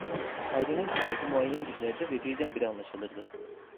Hayri'nin kıymeti muayyen günlerde ve birdenbire anlaşılırdı.